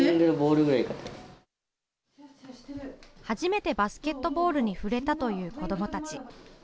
初めてバスケットボールに触れたという子どもたち。